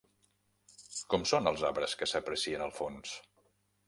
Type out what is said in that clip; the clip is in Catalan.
Com són els arbres que s'aprecien al fons?